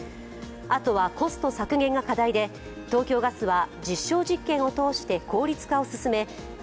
あとはコスト削減が課題で、東京ガスは実証実験を通して効率化を進め